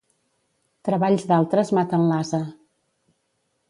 Treballs d'altres maten l'ase.